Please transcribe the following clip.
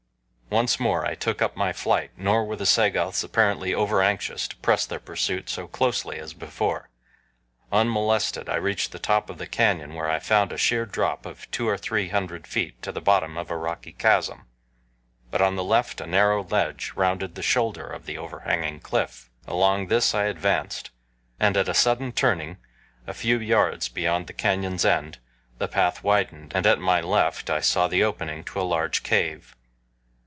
Once more I took up my flight, nor were the Sagoths apparently overanxious to press their pursuit so closely as before. Unmolested I reached the top of the canyon where I found a sheer drop of two or three hundred feet to the bottom of a rocky chasm; but on the left a narrow ledge rounded the shoulder of the overhanging cliff. Along this I advanced, and at a sudden turning, a few yards beyond the canyon's end, the path widened, and at my left I saw the opening to a large cave.